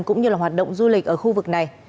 cũng như là hoạt động du lịch ở khu vực này